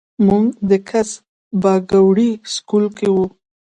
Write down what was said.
مونږ د کس پاګوړۍ سکول کښې وو